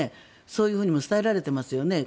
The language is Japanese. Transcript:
そういうふうにも伝えられていますよね。